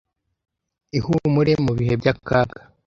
Ihumure mu bihe by’akaga